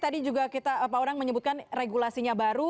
tadi juga kita pak odang menyebutkan regulasinya baru